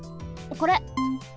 これ。